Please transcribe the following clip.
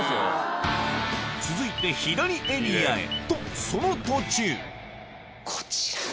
続いて左エリアへとその途中こちら。